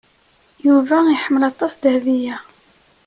Yuba iḥemmel aṭas Dahbiya.